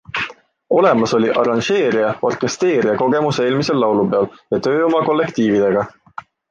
Olemas oli arranžeerija-orkestreerija kogemus eelmisel laulupeol ja töö oma kollektiividega.